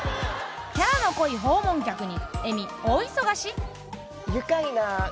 キャラの濃い訪問客に恵美、大忙し？